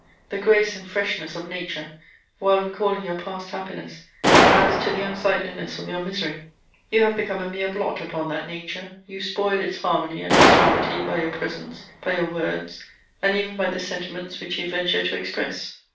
The grace and freshness of nature, while recalling your past happiness, adds to the unsightliness of your misery. You have become a mere blot upon that nature; you spoil its harmony and its suavity by your presence, by your words, and even by the sentiments which you venture to express.